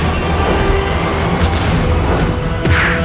kau semua untuk diperbaikan